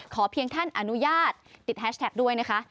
เพียงท่านอนุญาตติดแฮชแท็กด้วยนะคะ